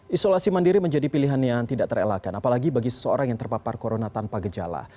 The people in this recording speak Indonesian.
isolasi mandiri menjadi pilihan yang tidak terelakkan apalagi bagi seseorang yang terpapar corona tanpa gejala